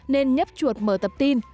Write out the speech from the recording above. nên nhấp chuột mở tập tin